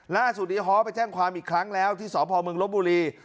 ล่าสุดนี้ฮ้อไปแจ้งความอีกครั้งแล้วที่สอบพลเมืองลบบุรี